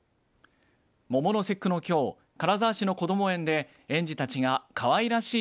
桃の節句のきょう金沢市のこども園で園児たちがかわいらしい